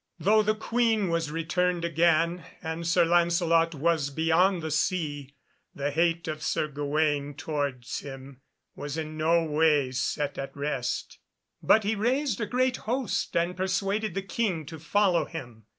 Though the Queen was returned again, and Sir Lancelot was beyond the sea, the hate of Sir Gawaine towards him was in no way set at rest, but he raised a great host and persuaded the King to follow him.